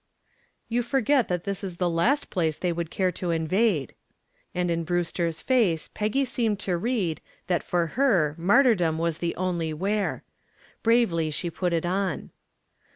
"You forget that this is the last place they would care to invade." And in Brewster's face Peggy seemed to read that for her martyrdom was the only wear. Bravely she put it on.